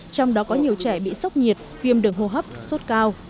trong đó có nhiều trẻ bị sốc nhiệt viêm đường hô hấp sốt cao